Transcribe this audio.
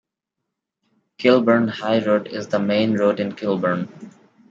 Kilburn High Road is the main road in Kilburn.